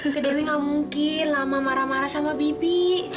teh dewi nggak mungkin lama marah marah sama bibi